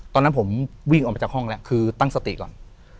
ตอนนั้นผมวิ่งออกมาจากห้องแล้วคือตั้งสติก่อน